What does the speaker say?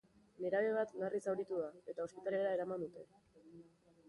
Nerabe bat larri zauritu da eta ospitalera eraman dute.